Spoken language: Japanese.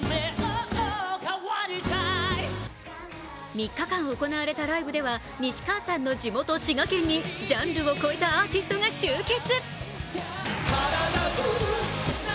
３日間行われたライブでは、西川さんの地元滋賀県にジャンルを超えたアーティストが集結。